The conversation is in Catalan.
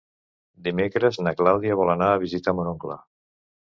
Dimecres na Clàudia vol anar a visitar mon oncle.